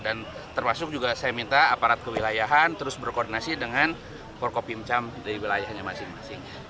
dan termasuk juga saya minta aparat kewilayahan terus berkoordinasi dengan korko pincam dari wilayahnya masing masing